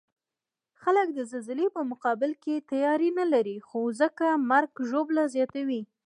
خلک د زلزلې په مقابل کې تیاری نلري، نو ځکه مرګ ژوبله زیاته وی